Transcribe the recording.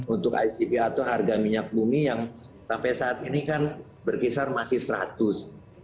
untuk icp atau harga minyak bumi yang sampai saat ini kan berkisar masih seratus